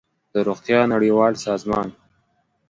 د روغتیا نړیوال سازمان